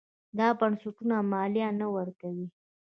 دا بنسټونه مالیه نه ورکوي.